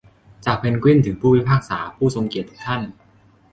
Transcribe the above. จากเพนกวินถึงผู้พิพากษาผู้ทรงเกียรติทุกท่าน